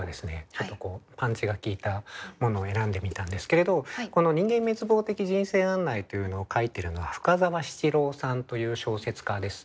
ちょっとこうパンチが効いたものを選んでみたんですけれどこの「人間滅亡的人生案内」というのを書いてるのは深沢七郎さんという小説家です。